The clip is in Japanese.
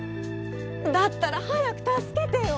だったら早く助けてよ！